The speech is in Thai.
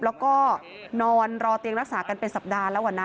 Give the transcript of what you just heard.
แล้วก็นอนรอเตียงรักษากันเป็นสัปดาห์แล้วนะ